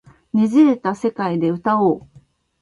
捻れた世界で歌おう